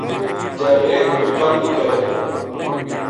جاوید کوئی کَم نیہہ کرے تھو